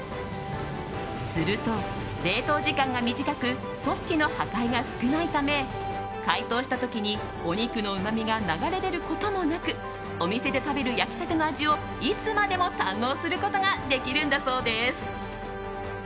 すると、冷凍時間が短く組織の破壊が少ないため解凍した時に、お肉のうまみが流れ出ることもなくお店で食べる焼きたての味をいつまでも堪能することができるんだそうです。